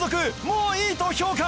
「もういい」と評価